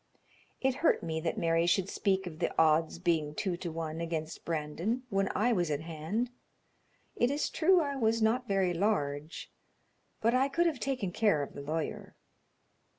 It hurt me that Mary should speak of the odds being two to one against Brandon when I was at hand. It is true I was not very large, but I could have taken care of a lawyer.